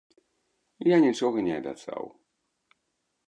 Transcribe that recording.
Я нічога не абяцаў.